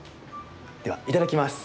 では、いただきます。